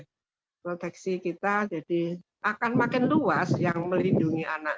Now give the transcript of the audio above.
proteksi kita jadi akan makin luas yang melindungi anak